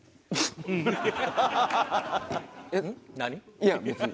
いや別に。